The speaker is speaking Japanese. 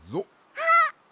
あっ！